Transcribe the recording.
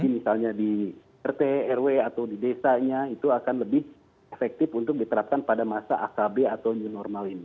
misalnya di rt rw atau di desanya itu akan lebih efektif untuk diterapkan pada masa akb atau new normal ini